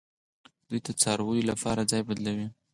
دوی د څارویو لپاره ځای بدلولو